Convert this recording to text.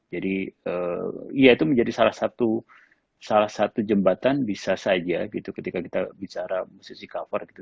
jadi ya itu menjadi salah satu jembatan bisa saja gitu ketika kita bicara musisi cover gitu